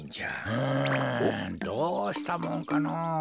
うんどうしたもんかのぉ。